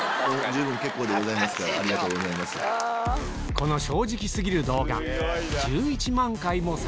この正直過ぎる動画